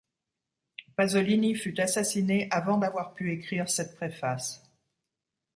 Pasolini fut assassiné avant d'avoir pu écrire cette préface.